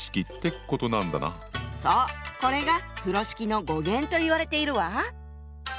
そうこれが風呂敷の語源と言われているわ。